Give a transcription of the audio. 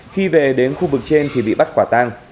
khi về đến khu vực trên thì bị bắt quả tang